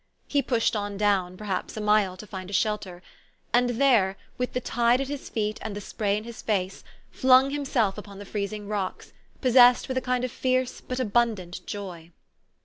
He pushed on down, perhaps a mile, to find a shelter ; and there, with the tide at his feet and the spray in his face, flung himself upon the freezing rocks, pos sessed with a kind of fierce but abundant joy.